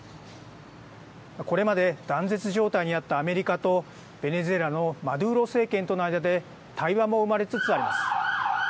これまで断絶状態にあったアメリカとベネズエラのマドゥーロ政権との間で対話も生まれつつあります。